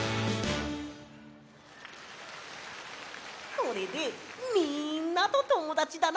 これでみんなとともだちだな！